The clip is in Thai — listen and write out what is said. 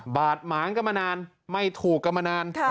บาดหมางก็มานานไม่ถูกก็มานาน